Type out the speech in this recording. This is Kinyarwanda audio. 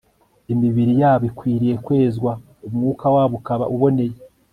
Imibiri yabo ikwiriye kwezwa umwuka wabo ukaba uboneye